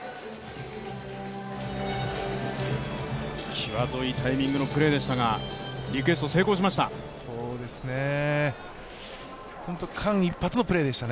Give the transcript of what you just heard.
きわどいタイミングのプレーでしたが、リクエスト成功しました。